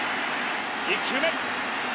１球目！